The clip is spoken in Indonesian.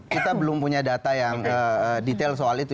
kita belum punya data yang detail soal itu